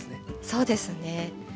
そうですね。